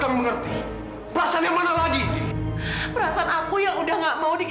kamu tidak boleh mengerti perasaan kamu ini